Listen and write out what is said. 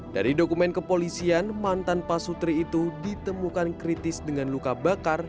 dari dokumen kepolisian mantan pak sutri itu ditemukan kritis dengan luka bakar